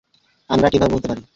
আমরা কিভাবে ভুলতে পারি?